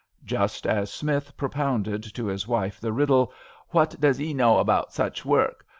" Just as Smith propounded to his wife the riddle :" What does *ee know about such work